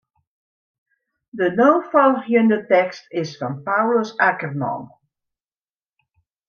De no folgjende tekst is fan Paulus Akkerman.